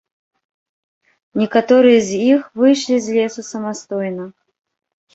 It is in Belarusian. Некаторыя з іх выйшлі з лесу самастойна.